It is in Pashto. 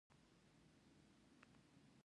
ولسوال د ولسوالۍ مشر دی